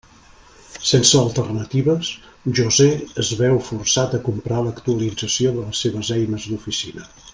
Sense alternatives, José es veu forçat a comprar l'actualització de les seves eines d'oficina.